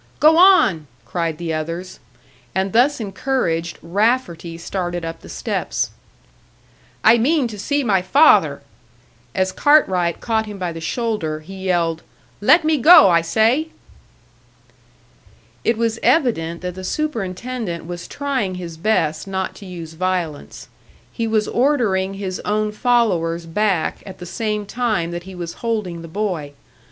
"Go on!" cried the others; and thus encouraged, Rafferty started up the steps. "I mean to see my father!" As Cartwright caught him by the shoulder, he yelled, "Let me go, I say!" It was evident that the superintendent was trying his best not to use violence; he was ordering his own followers back at the same time that he was holding the boy.